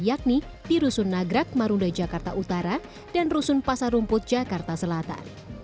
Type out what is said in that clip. yakni di rusun nagrak marunda jakarta utara dan rusun pasar rumput jakarta selatan